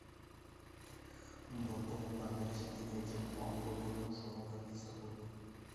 বর্তমান বাংলাদেশে তিনি একজন অগ্রগণ্য সমকালীন স্থপতি।